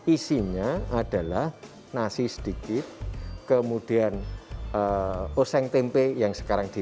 isinya adalah nasi sedikit kemudian oseng tempe yang sekarang di